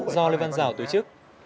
do lê văn giảo tổ chức